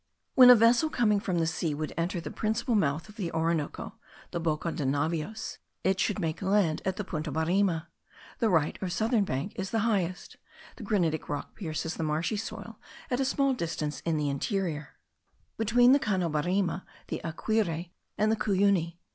When a vessel coming from sea would enter the principal mouth of the Orinoco, the Boca de Navios, it should make the land at the Punta Barima. The right or southern bank is the highest: the granitic rock pierces the marshy soil at a small distance in the interior, between the Cano Barima, the Aquire, and the Cuyuni.